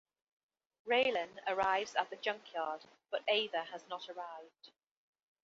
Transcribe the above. Raylan arrives at the junkyard but Ava has not arrived.